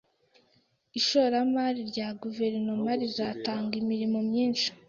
Ishoramari rya guverinoma rizatanga imirimo myinshi